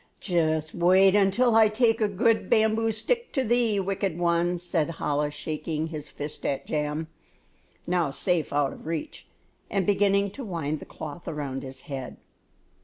"Just wait until I take a good bamboo stick to thee, wicked one," said Chola, shaking his fist at Jam, now safe out of reach, and beginning to wind the cloth around his head.